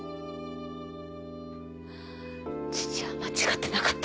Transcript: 父は間違ってなかった。